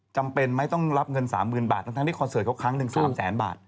จำเป็นไหมต้องรับเงินสามหมื่นบาทตั้งทั้งที่คอนเสิร์ตเขาครั้งหนึ่งสามแสนบาท